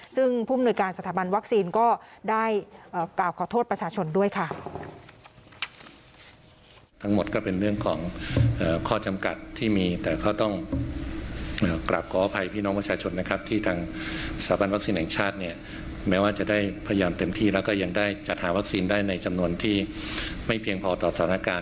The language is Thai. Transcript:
ซึ่งผู้มนุยการสถาบันวัคซีนก็ได้กล่าวขอโทษประชาชนด้วยค่ะ